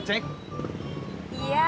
saya melihat kayanya